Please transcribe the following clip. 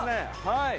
はい。